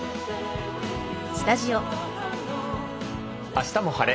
「あしたも晴れ！